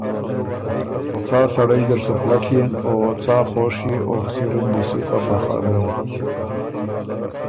څا سړئ زر سُو پلټيېن او څا خوشيې او خسِري ن دی سو په بخره بېن۔